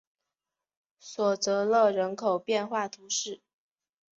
索泽勒人口变化图示